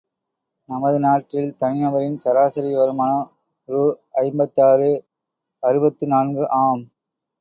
நமது நாட்டில் தனிநபரின் சராசரி வருமானம் ரூ. ஐம்பத்தாறு, அறுபத்து நான்கு ஆம்!